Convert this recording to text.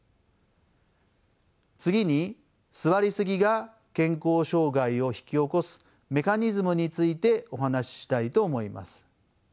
次に座りすぎが健康障害を引き起こすメカニズムについてお話ししたいと思います。